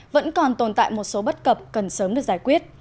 vẫn còn tồn tại một số bất cập cần sớm được giải quyết